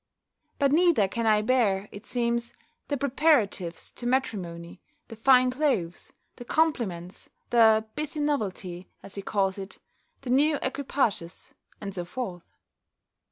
But neither can I bear, it seems, the preparatives to matrimony, the fine clothes, the compliments, the busy novelty, as he calls it, the new equipages, and so forth.